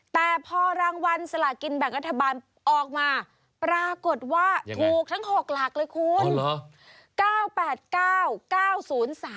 แต่พอรางวัลสลากินแบ่งรัฐบาลออกมาปรากฏว่าถูกทั้ง๖หลักเลยคุณ